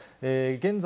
現在、